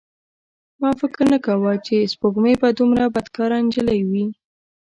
ما فکر نه کاوه چې سپوږمۍ به دومره بدکاره نجلۍ وي.